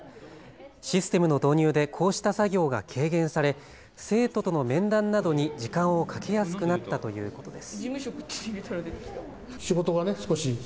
システムの導入でこうした作業が軽減され生徒との面談などに時間をかけやすくなったということです。